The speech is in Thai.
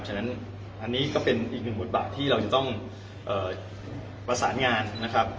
ฉะนั้นอันนี้ก็เป็นอีกหนึ่งบทบาทที่เราจะต้องประสานงานนะครับ